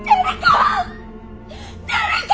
誰か！